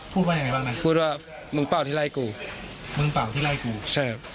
พูดว่ามึงเปล่าที่ไล่กูใช่ครับ